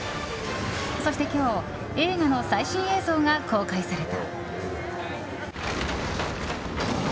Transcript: そして、今日映画の最新映像が公開された。